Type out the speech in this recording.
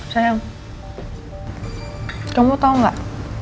sayang kamu tau gak